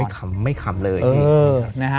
ไม่ขำไม่ขำเลย